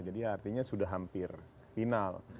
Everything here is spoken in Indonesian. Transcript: jadi artinya sudah hampir final